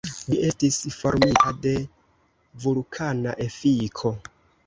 Ĝi estis formita de vulkana efiko.